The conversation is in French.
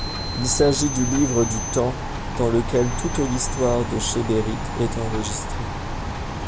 Il s'agit du Livre du Temps, dans lequel toute l'histoire de Chébérith est enregistrée.